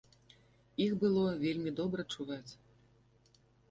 Іх было вельмі добра чуваць.